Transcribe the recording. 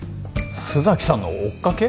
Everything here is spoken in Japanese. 須崎さんの追っかけ？